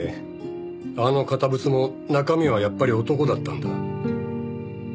あの堅物も中身はやっぱり男だったんだ。